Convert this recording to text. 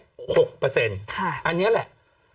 อันนี้แหละ